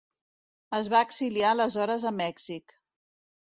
Es va exiliar aleshores a Mèxic.